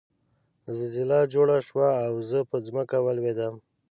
زلزله جوړه شوه او زه په ځمکه ولوېدم